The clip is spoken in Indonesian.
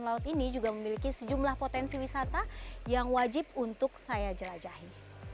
laut ini juga memiliki sejumlah potensi wisata yang wajib untuk saya jelajahi